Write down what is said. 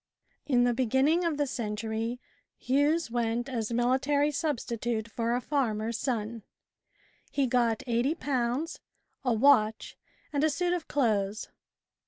IN the beginning of the century, Hughes went as military substitute for a farmer's son. He got ;8o, a watch, and a suit of clothes.